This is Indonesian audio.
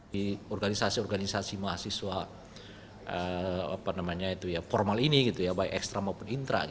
di organisasi organisasi mahasiswa formal ini gitu ya baik ekstra maupun intra